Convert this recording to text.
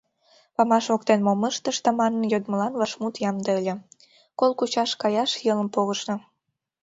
Памаш воктен мом ыштышда манын йодмылан вашмут ямде ыле: «Кол кучаш каяш йылым погышна».